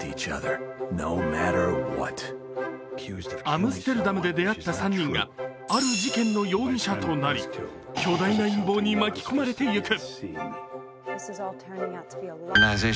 アムステルダムで出会った３人がある事件の容疑者となり、巨大な陰謀に巻き込まれていく。